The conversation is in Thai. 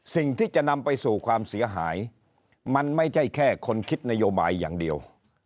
สิ่งที่จะนำไปสู่ความเสียหายมันไม่ใช่แค่คนคิดนโยบายอย่างเดียว